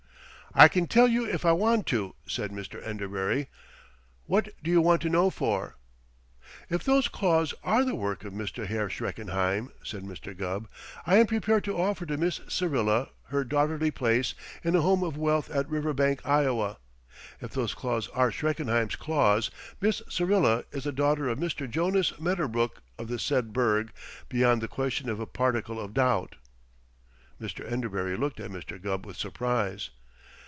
"I can tell you if I want to," said Mr. Enderbury. "What do you want to know for?" "If those claws are the work of Mr. Herr Schreckenheim," said Mr. Gubb, "I am prepared to offer to Miss Syrilla her daughterly place in a home of wealth at Riverbank, Iowa. If those claws are Schreckenheim claws, Miss Syrilla is the daughter of Mr. Jonas Medderbrook of the said burg, beyond the question of a particle of doubt." Mr. Enderbury looked at Mr. Gubb with surprise.